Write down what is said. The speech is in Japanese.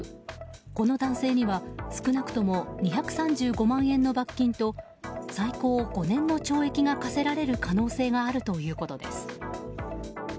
この男性には少なくとも２３５万円の罰金と最高５年の懲役が科せられる可能性があるということです。